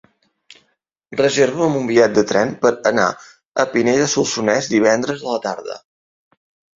Reserva'm un bitllet de tren per anar a Pinell de Solsonès divendres a la tarda.